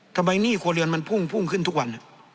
หนี้ครัวเรือนมันพุ่งขึ้นทุกวัน